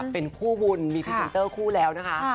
เป็นคู่บุญมีพรีเซนเตอร์คู่แล้วนะคะ